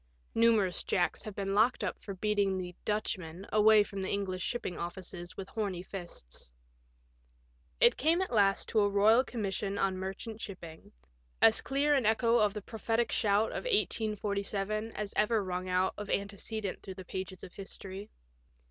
Numerous Jacks have been locked up for beating the " Dutchman " away from the English shipping offices with horny ffsts. It came at last to a Boyal Commission on Merchant Shipping — as clear an echo of the prophetic shout of 1817 as ever rung out of antecedent through the pages of history.